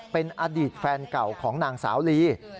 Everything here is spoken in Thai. เป็นอดีตแฟนเก่าของนางสาวลี